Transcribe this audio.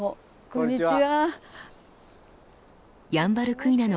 こんにちは。